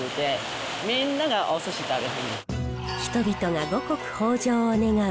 人々が五穀豊穣を願う